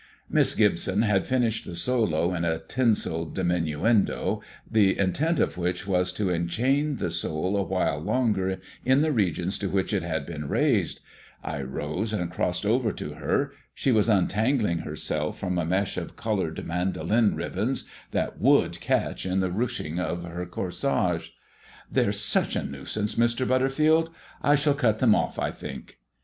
Miss Gibson had finished the solo in a tinsel diminuendo, the intent of which was to enchain the soul a while longer in the regions to which it had been raised. I rose and crossed over to her. She was untangling herself from a mesh of coloured mandolin ribbons that would catch in the ruching of her corsage. "They're such a nuisance, Mr. Butterfield; I shall cut them off, I think."